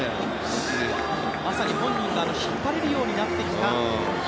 まさに本人が引っ張れるようになってきた。